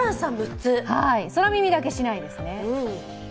空耳だけしないですね。